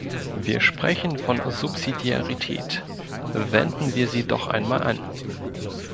Wir sprechen von Subsidiarität, wenden wir sie doch einmal an.